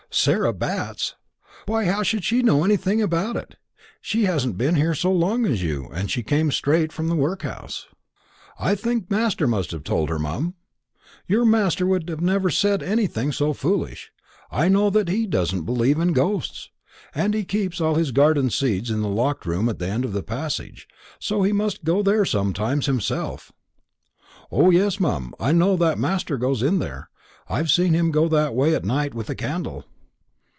"Sarah Batts! Why, how should she know anything about it? She hasn't been here so long as you; and she came straight from the workhouse." "I think master must have told her, mum." "Your master would never have said anything so foolish. I know that he doesn't believe in ghosts; and he keeps all his garden seeds in the locked room at the end of the passage; so he must go there sometimes himself." "O yes, mum; I know that master goes there. I've seen him go that way at night with a candle."